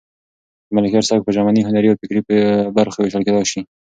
د ملکیار سبک په ژبني، هنري او فکري برخو وېشل کېدای شي.